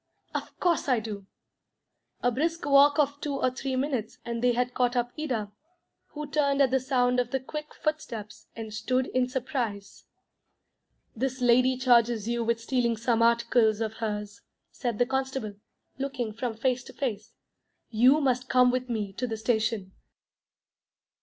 "Of course I do." A brisk walk of two or three minutes, and they had caught up Ida, who turned at the sound of the quick footsteps, and stood in surprise. "This lady charges you with stealing some articles of hers," said the constable, looking from face to face. "You must come with me to the station."